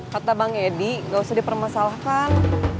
kata bang yedi enggak usah dipermasalahkan